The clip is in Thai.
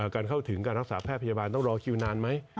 การเข้าถึงการรักษาแพทยพยาบาลต้องรอคิวนานไหม